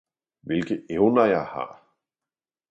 Hvilke evner jeg har!